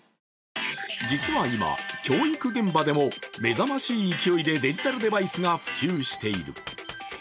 実は今、教育現場でも目覚ましい勢いでデジタルデバイスが普及している。